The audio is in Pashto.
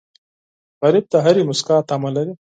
غریب د هرې موسکا تمه لري